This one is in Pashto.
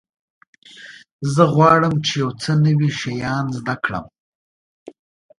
زه غواړم چې یو څه نوي شیان زده کړم.